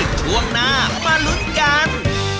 ช่วงหน้ามาลุ้นกัน